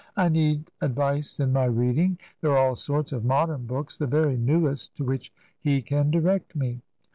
I need advice in my reading. There are all sorts of modem books — the very newest — to which he can direct me.